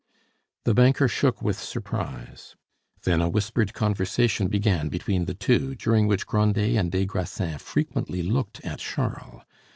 The banker shook with surprise. Then a whispered conversation began between the two, during which Grandet and des Grassins frequently looked at Charles.